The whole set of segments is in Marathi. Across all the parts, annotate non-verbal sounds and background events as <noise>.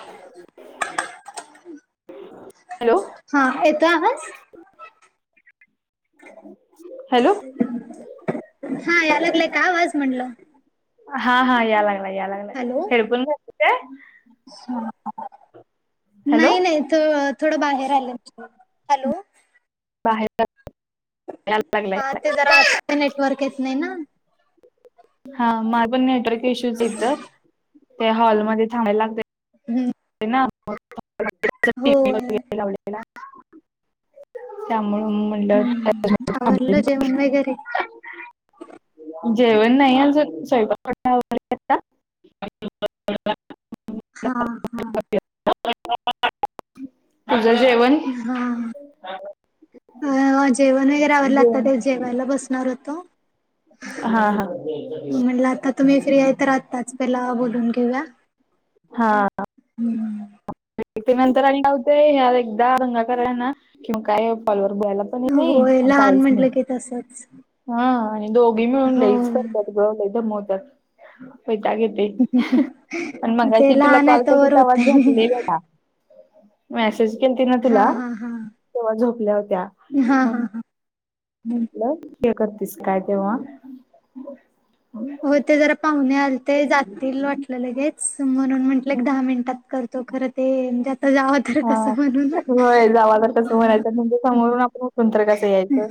<inaudible> हॅलो हां येतो आवाज? हॅलो. हां याय लागलाय का आवाज म्हणल? हा हा या लागला या लागला हॅलो हेडफोन घातलीत काय? हॅलो नाही नाही तू अ - थोडं बाहेर आल्या हॅलो. बाहेर आ हा ते जरा ते नेटवर्क येत नाही ना. हा मला पण नेटवर्क इशू येत त्या हॉलमध्ये थांबायला लाग हम्म <unintelligible> होय त्यामुळं हम्म म्हणलं आवरलं जेवण वगैरे <unintelligible> जेवण नाही स्वयंपाक <unintelligible> हा हा <unintelligible> तुझं जेवण? हा अ जेवण वगैरे आवर आता ते जेवण जेवायला बसणार हो तो हा हा म्हटलं आता तुम्ही फ्री आहे तर आताच तेला बोलवून घ्यायचं. हा हम् ते नंतर अ लावते होते ह एकदा रंगा कय ना किंवा काय पॉलवर बोयला <unintelligible> पण नाही होय काही लहान नाही म्हटलं की तसच आणि दोघी मिळून हो लेच करत्यात. अगं ले दमवत्यात वैताग येतो. ए ते मगाशी तुला लहान आहे कॉल तोवर कसा आवाज होतय घातलेला होता. मेसेज केलती ना हा तुला हा हा तेव्हा झोपल्या होत्या हा म्हण हा हा म्हंटलं ते करतेस काय तेव्हा हो ते जरा पाहुणे आलते जातील वाटलं लगेच म्हणून म्हंटलं दहा मिनिटात कर तो खरं ते द जावं तर हा कसं म्हणूना होय जावा तर कसं म्हणायचं म्हणजे समोरून आपण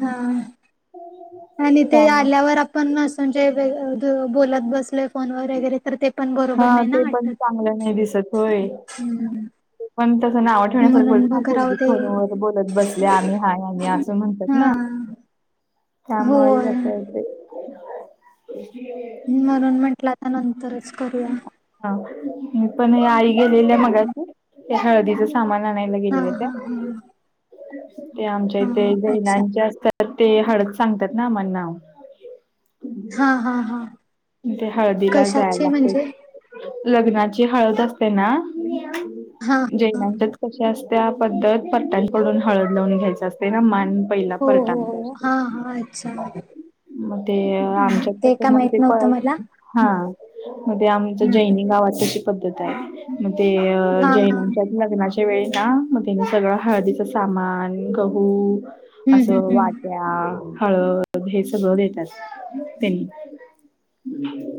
हा हो <unintelligible> आणि ते आल्यावर आपण असं म्हणजे बोलत बसलोय फोनवर वगैरे तर ते पण बरोबर हा नाही ना ते पण चांगलं वाटत. ते पण तसं नाव ठेवण्यासारखं म्हणून बोलत ना मग राहू पोरगी दे फोनवर बोलत बसले आम्ही हा आम्ही असं म्हणतात ना. ह त्यामुळे असं होतंय. म्हणून म्हंटलं आता नंतरच करूया. हा मी पण आई गेलेल्या हा मगाशी ते हळदीचच आम्हाला नाही हा गेल्या होत्या हा हा ते आमच्या इथे हा. अच्छा जैनाच्या तर ते हळद सांगतात ना आम्हाला हा हा हा ते हळदीला जायला कशाची लागते म्हणजे लग्नाची हळद असते ना हा हा जैनाच्यात कशी असते पद्धत पध्दत प हो पट हो अस हो हा हा अच्छा मग ते हम्म, आमच्या ते का माहित <unintelligible> नव्हतं मला हा मज आमच हम्म. जैनी गावातशी पद्धत आहे. मग ते हा हा जैनाच्यात लग्नाच्या वेळी ना मग त्यांनी सगळं हळदीच सामान, गहू हम्म हम्म असं हम्म वाट्या हळद हे सगळं देतात त्यांनी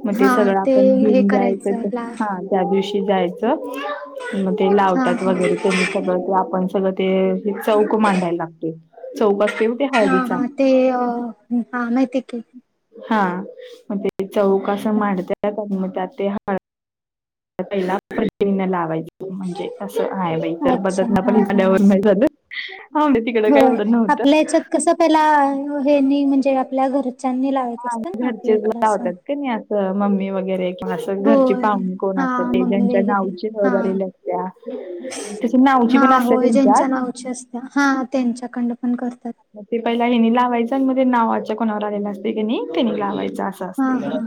मग ते हा सगळं आपण हे घेऊन करायचं जायचं ला हा. त्या दिवशी जायचं मग ते हा लावतात हा वगैरे त्यांनी सगळं ते आपण सगळं ते चौक मांडायला लागते चौक असते हा हा ते अ हा माहितीय की. हा मग ते चौक अस मांडत म आ ते ह पन लावायचं म्हणजे कसं आहे बा तर अच्छा बदत ना हा पहि हा आल्यावर नाही झालं. हा वतिक- हो आपल्या हच्यात कसं पहिला हेनी म्हणजे आपल्या घरच्यांनी लाव हा अस ना आपल्या घरचेच इकडं असां- लावतात नाही असं मम्मी वगैरे <unintelligible> असं घरची होय पाहुणी कोण हा असत ते मम्मी जच्या वगैरे नावची हह हा झालेल्या असत्या <unintelligible> तस नावची हा पण असते होय ज्यांच्या त्यांच्यात <unintelligible> नावची असत्या हा त्यांच्याकड पण करतात <unintelligible> ते पहिला हेिनी लावायचं आणि मध्ये ते नावाच्या कोणावर आलेलं असते की तेनी लावायचं असं हा हा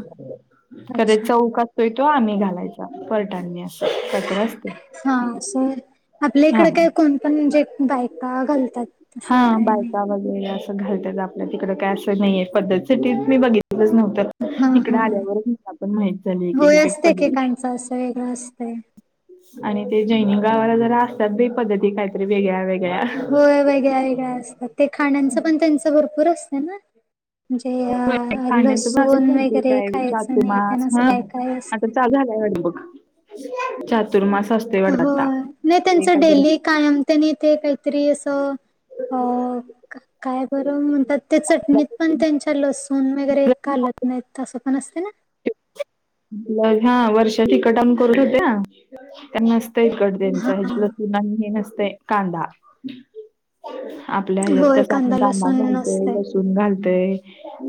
<unintelligible> अच्छा चौ <unintelligible> तो आम्ही घालायचा पलटांनी असं त्या्रस <unintelligible> हा सर आपल्या इकडे हा. काय कोण पण म्ह जे बायका घालतात <unintelligible> हा काही नाही बायका ब <unintelligible> असं घालतात आपल्या तिकड काय असं नाहीये पद्धतीसाठी मी बघितलंच हा नव्हत इकड हा आल्यावरच मला पण माहित झालं होय एक असते पद्धती एकेकांच असं वेगळं असतंय आणि ते जैनिक गावाला जरा असतात पद्धती काहीतरी वेगळ्या वेगळ्या <unintelligible> होय वेगळ्या वेगळ्या असतात ते खाण्याचं पण त्यांच भरपूर असत ना <unintelligible> म्हणजे होय, अ खाण्याचं पण असेल लसूण भरपूर वगैरे काय खायचं नाही त्यांना चातुर्मास अस हा काय <unintelligible> आता झालाय वाड बघ चातुर्मास असतो <unintelligible> हो नाही त्यांचं डेली काय <unintelligible> त्यांनी ते काहीतरी असं अ <unintelligible> काय बरो म्हणतात त्या चटणीत पण त्यांच्या लसूण <unintelligible> वगैरे घालत नाही तं पण असते ना <unintelligible> हा वर्षा तिकट आम करत होत्या त्यांना <unintelligible> कडद्यांचा ह हा त नाही हे नसत कांदा <unintelligible> आपल्या ह्यात होय कस आपण कांदा लसूण घालतय नसतय. लसूण घालतय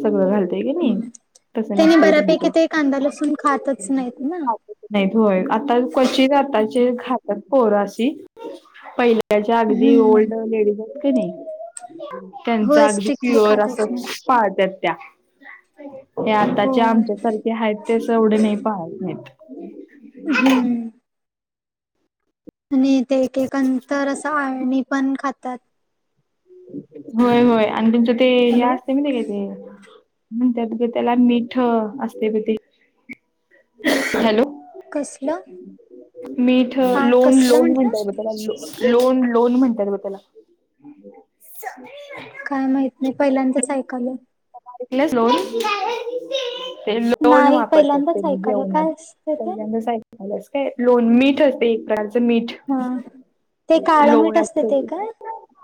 सगळं घालत <unintelligible> तस त्यांनी नसतय बऱ्यापैकी तुमच ते कांदा लसूण खातच नाहीत ना. <unintelligible> नाही होय आता क्वचित आताचे घ <unintelligible> तर पोरासी पहिल्याच्या अगदी हम्म ओल्ड लेडीज <unintelligible> नाही त्यांच होय अगदी स्ट्रिक्टली प्युअर अस खातच नाही <unintelligible> पाळतात त्या हे आताच्या होय. आमच्यासारख्या आहेत <unintelligible> तेस एवढे नाही पाह नाहीत <unintelligible> हम्म <unintelligible> आणि ते एकंतर असं आळणी पण खातात <unintelligible> होय होय आणि तुमचं ते या हॅलो <unintelligible> म का ते म्ह त्या त्याला मिीठ असते ते <unintelligible> हॅलो <unintelligible> कसलं <unintelligible> मीठ हा लोन कसलं लोन म्हंटलं म्हणतय ब त्याला लोन लोन म्हणतय म त्याला <unintelligible> च <unintelligible> काय माहित नाही पहिल्यांदाच ऐकाल <unintelligible> कला लोन <unintelligible> ते लोन नाही वापर पहिल्यांदाच करते मी ऐकालोय जेवणात काय असतं ते? पहिल्यांदा सा <unintelligible> मस काय लोन मीठ असते एक प्रा <unintelligible> मीठ हा ते काळं लो मीठ असतं ते असत काय? <unintelligible>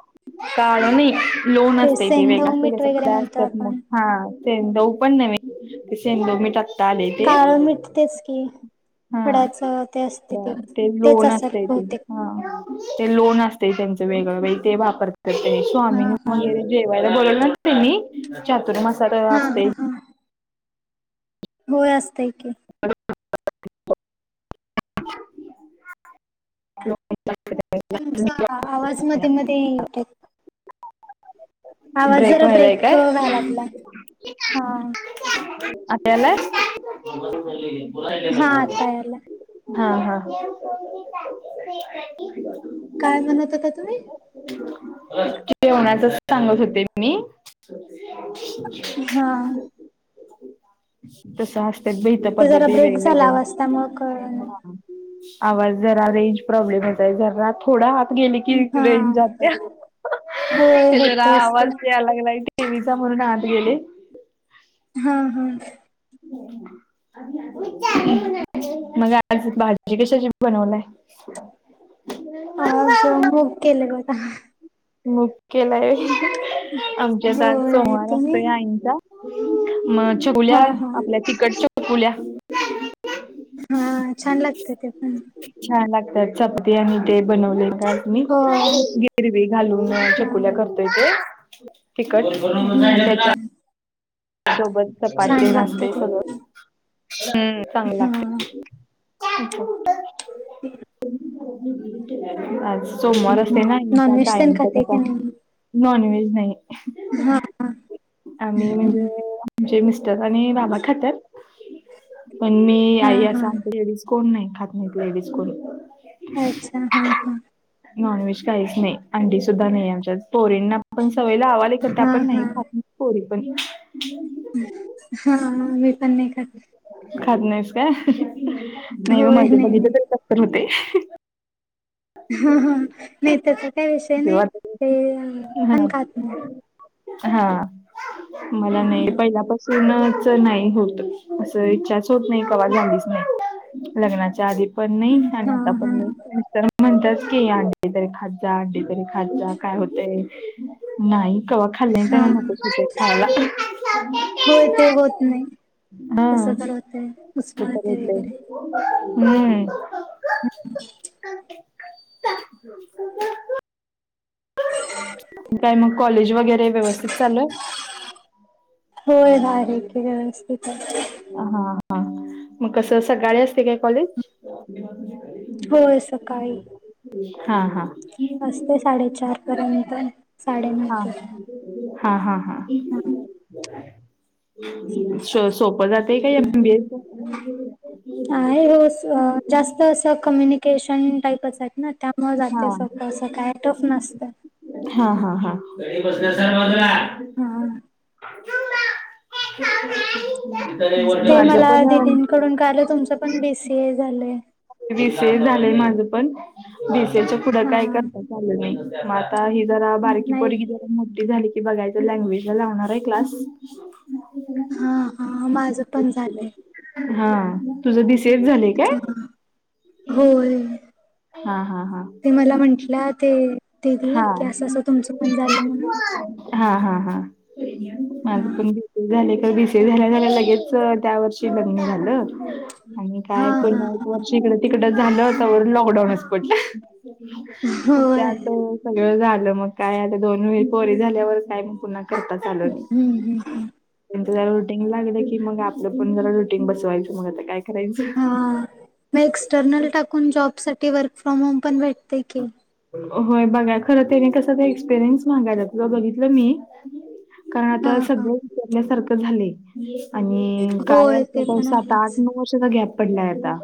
काळ नाही लोन असतेय ते वेग सेंधव असते का मीठ वगैरे सगळ्या म्हणतो असत <unintelligible> आपण. हा सेड पण न ते सेंद मी टाक <unintelligible> ले ते काळं मीठ तेच की <unintelligible> हा खडाचं ते असते ब ते तेच लोन असेल असतय त बहुतेक हा <unintelligible> ते लोन असते त्यांच वेग ते वापरत त्यां स्वामीिनी हा हा वगैरे <unintelligible> जेवायला बो न म चातुर् मसा हा असते हा <unintelligible> हा होय असतय की <unintelligible> <unintelligible> तुमचा आवाज मध्ये मध्ये य <unintelligible> ब्रेक जरा व्हालाय काय? व्हायला लागलाय हा आता यालाय? हा आता यायला हा, हा, काय म्हणत, होता तुम्ही? जेवणाचं च सांगत होते मी, हा, तस असत्यात बाई हित, ते जरा पद्धती ब्रेक झाला आवाज वेगवेगळ्या, त्यामुळं कळना आवाज जरा रेंज प्रॉब्लेमहोतंय, जरा थोडा आता गेले की, हा रेंज जात्या. होय ते जरा होतयच ते आवाज यायला लागलाय टीव्हीचा, म्हणून आता गेले. हा, हा, <unintelligible> मग, आज भाजी कशाची बनवलाय? आज मुग गेलंय बघा, मुग केलाय होय, आमच्यात आज होय सोमवार तुम्ही असतोया आईंचा. मग चकुल्या, हा हा आपल्या तिकट चकुल्या हा, छान लागतंयते पण. छान लागतात चपाती, आणि ते बनवलेतआज मी, होय गिरवी छकुल्या हा करतोय ते हम्म हम्म तिखट, हम्म सोबत, चपाती छान तेन लागत असत्य ते सगळं हम चागलं हा लागतय. <unintelligible> <unintelligible> आज सोमवार असते ना, आई चा नॉनव्हेज तेन कायचा च खाते की आता, नाही नॉनव्हेज नाही, हा आम्ही हम्म. म्हणजे म्हणजे, मिस्टर आणि बाबा खत्यात, पण मी हा आई असं हा आमच्या लेडीज कोण नाही खात नाहीत लेडीज कोण. अच्छा हा, हा, नॉनव्हेज काहीच नाही, अंडी सुद्धा नाही आमच्यात पोरींना आपण सवय लावालोय, खरं त्या हा पण हा नाहीखात पोरी पण. हा, मी पण नाही खात. खात नाहीस काय, नाही मला होय ते नाही बघिततर नाही कसं तर होतेय. ह, ह, नाही त्याचा काही विषय नाही, तेव्हा ते पण हा खात नाही. हा, मला नाही पहिल्यापासून पूर्णच नाही होत असं इच्छाच होत नाही, कवा झालीच नाही. लग्नाच्या आधी पण नाही, आणि हा आता पण हा नाही. म्हणताात की, अंडी तरी खात जा, अंडी तरी खाज जा, काय होतंय. नाही, कवा खाल्ल्या त्यांना हा नकोच होतंय खायला. होय ते होत नाही हा, कसं तर होतय उस्मळते हम्म हम्, <unintelligible> काय मग, कॉलेज वगैरे, व्यस्थित चालू आहे. होय आहे कि व्यवस्थित आहे. हा, हा मग कस सकाळी असत्य काय कॉलेज? होय, सकाळी. हा, हा, असत्य साडेचार पर्यंत, साडेनऊ हा ते. हा, हा, हा, श- सोपं जाते का? ऐ बी ये आहे हो असं जास्त अस कम्युनिकेशन टाईपच आहेत ना. त्या मग हा जाते सळं असं काय टफ नसतं. हा हा हा. हा माझं पण ून कालं तुमचं पण बीसीए झालं. विी सी झालंय माझ पण बसच्या पुढं हा काय करता आचालं नाही. म आता ही जरा बारकी नाही पकी मोठी झाली की बघायच लँग्वेज ला लावणार आहे क्लास हा हा माझं पण झालंय. हा तुझं बी सी ऐ झाले काय. होय. हा हा हा ते मला म्हटलं ते हा. दिदी की असं असं तुमचं पण झालंय म्हणून हा हा हा माझ हा पण बी झाले बी सी झा झा लगेच त्या वर्षी बघ झालं आणि हा काय हा पुन्हा हा. एक व ड तिकड झालं लॉकडाऊनच पटलं. होय सगळं झालं मग काय आता दोन वेळी पोरी झाल्यावर काय म पुन्हा करतात. चाल. हम्म हम्म हम्म. त्यांचं जरा रुटीन लागलं की मग आपलं पण जरा रुटीन बसवायचं मग आता काय करायचं. ह म एक्सटर्नल टाकून जॉब साठी वर्क फ्रॉम होम पण भेटते की होय बघा खर त्याने कस एक्सपिरियन्स मागायला आप बघितलं मी कारण हा आता हा सगळं विचारल्यासारखं झाले. आणि काय होय असत ते तर पण सात आठ आहेच नऊ वर्षाचा गॅप पडलाय आता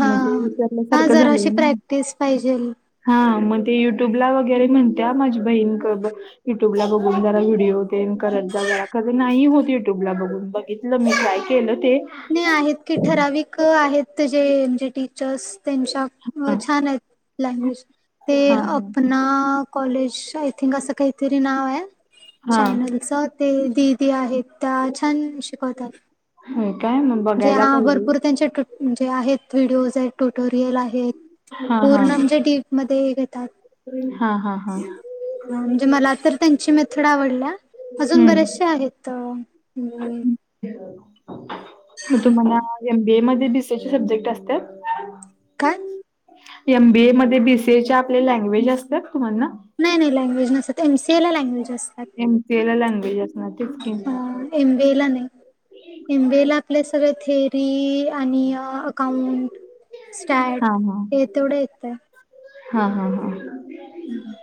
म्हजे विचारल्यासारखं झालंय ना. तेच पाहिजे. हा मग ते युट्यूबला वगैरे म्हणते माझी बहीण युट्यूब ला बघून जरा व्हिडिओ देन करत जा जरा कधी नाही होत युट्यूबला बघून बघितलं. ल मलाय केलं ते नाही आहेत की ठराविक आहेत जे जे टीचर्स त्यांच्या हो हा छान आहे लँग्वेज ते हा आपना कॉलेज आय थिंक असं काहीतरी नाव आहे. हा चॅनलच ते दिदी आहेत त्या छान शिकवतात. हो काय म्हण. जे हा भरपूर त्यांचे जे आहेत व्हिडिओज आहेत ट्युटोरियल आहेत. हा हा पूर्णमच्या डीप मध्ये घेतात. हा हा हा ह म्हणजे मला तर त्यांची मेथड आवडल्या अजून हम्म बरेचसे आहेत ह्. मग तुम्हाला एमबीए मध्ये बीसी चे सब्जेक्ट असते. काय. एमबीए मध्ये बी सी ए चे आपले लँग्वेज असतात तुम्हाला नाही नाही लँग्वेज नसत एम सीए ला लँग्वेज असतात. एमसीए ला लँग्वेजे अस ना तेचकम एमबी ए ला नाही एमबी ए ला आपल्या सगळ थेअरी आणि अकाउंट स्टॅट हा हा हे तेवढं येतंय. हा हा हा हम्म.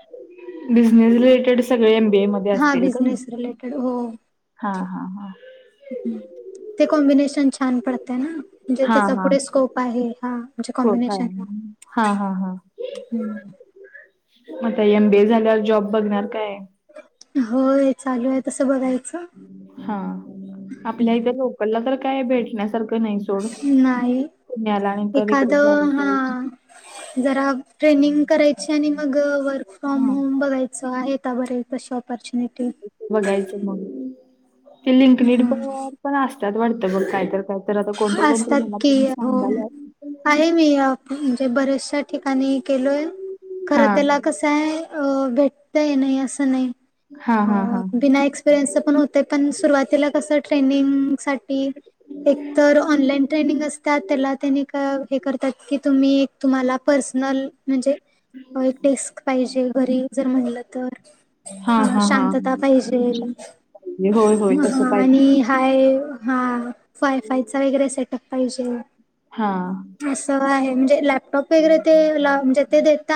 बिझनेस रिलेटेड सगळे एमबीए मध्ये हा असतील का? बिझनेस रिलेटेड हा हा हा ह ते कॉम्बिनेशन छान पडते ना म्हणजे हा त्याचा हा पुढे स्कोप आहे. हा म्हणजे को काय कॉम्बिनेशन. हा हा हा हम्म. आता एमबीए झाल्यावर जॉब बघणार काय? होय चालू आहे तस बघायचं. हम्म. ला तर काय भेटण्यासारखं नाही. सोड नाही. पुण्याला आणि तर इकडे एखादं जायला हा पाहिजे जरा ट्रेनिंग करायची आणि मग वर्क फ्रॉम हा होम बघा च आहे आता बरे कशी ऑपॉर्च्युनिटी. बघायचं मग ते लिंक निड प हा पण असत्यात वाटतं बग काय तर काय तर कोणतर कोणतर असतात मला की पण हो. सांगाल्यात आहे मी. म्हणजे बऱ्याचशा ठिकाणी केलोय. खरं हा त्याला कस आहे? भेटत नाही अस नाही हा अ हा हा बीना एक्स अस पण होते पण सुरुवातीला कस ट्रेनिंग साठी एक तर ऑनलाईन ट्रेनिंग असतात. त्याला त्यांनी क हे करतात की तुम्ही एक तुम्हाला पर्सनल म्हणजे एक डेस्क पाहिजे घरी जर म्हणलं तर हा अ हा हा शांतता पाहिजे होय होय तसं पाहिजे आणि हाय हा. वायफायचा वगैरे सेटअप पाहिजे. हा. असं आहे म्हणजे लॅपटॉप वगैरे ते म्हणजे ते देतात.